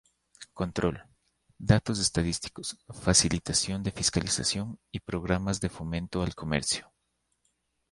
Control: Datos estadísticos, facilitación de fiscalización y programas de fomento al comercio.